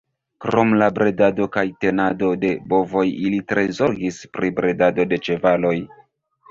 Krom la bredado kaj tenado de bovoj ili tre zorgis pri bredado de ĉevaloj.